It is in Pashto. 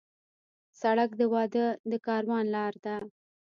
سړک د واده د کاروان لار ده.